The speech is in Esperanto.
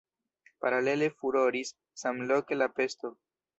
Paralele furoris samloke la pesto.